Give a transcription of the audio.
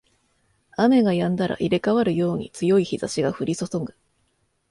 雨が止んだら入れ替わるように強い日差しが降りそそぐ